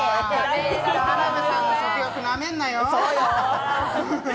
田辺さんの食欲、なめんなよ！